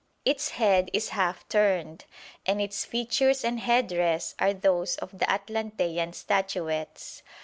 Its head is half turned, and its features and headdress are those of the Atlantean statuettes.